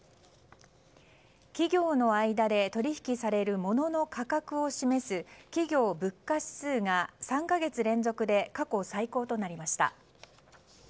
企業の間で取引されるモノの価格を示す企業物価指数が３か月連続で過去最高となりました。